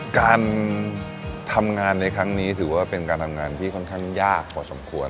การทำงานในครั้งนี้ถือว่าเป็นการทำงานที่ค่อนข้างยากพอสมควร